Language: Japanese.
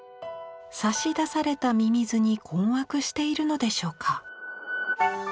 差し出されたミミズに困惑しているのでしょうか。